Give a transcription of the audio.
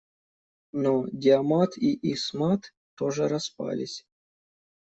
Но диамат и истмат тоже распались.